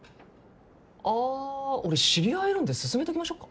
あ俺知り合いいるんで進めときましょっか？